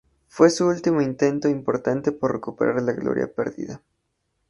Fue su último intento importante por recuperar la gloria perdida.